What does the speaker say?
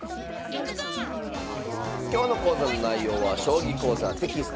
今日の講座の内容は「将棋講座」テキスト